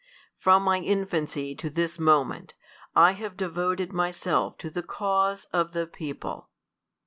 From my infancy to this moment, I have devoted myself to the cause of the PEOPLE.